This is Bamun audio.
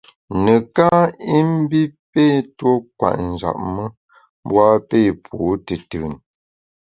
Neká i mbi pé tuo kwet njap me, mbu a pé pu tùtùn.